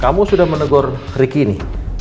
kamu sudah menegur riki ini